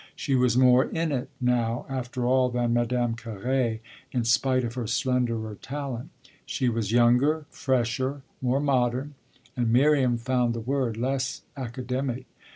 She was more "in it" now, after all, than Madame Carré, in spite of her slenderer talent: she was younger, fresher, more modern and Miriam found the word less academic.